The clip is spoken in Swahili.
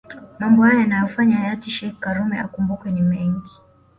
Mambo hayo yanayofanya hayati sheikh karume akumbukwe ni mengi